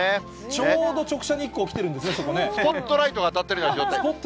ちょうど直射日光来てるんでスポットライトが当たってるような状態。